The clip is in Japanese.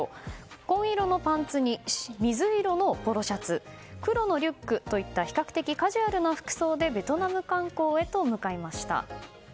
紺色のパンツに水色のポロシャツ黒のリュックといった比較的カジュアルな服装でベトナム観光へと向かいました。